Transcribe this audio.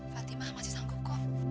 fatima masih sanggup kok